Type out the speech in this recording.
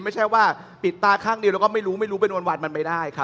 ไม่แบบว่าปิดตาข้างนี้ไม่รู้เป็นวันมันไม่ได้ครับ